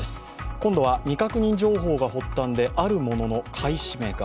今度は未確認情報が発端で、あるものの買い占めが。